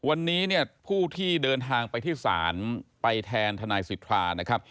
วันนี้เนี่ยผู้ที่เดินทางไปที่ศาลไปแทนทนายสิทธานะครับ